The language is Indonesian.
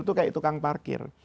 itu kayak tukang parkir